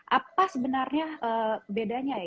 apa sebenarnya bedanya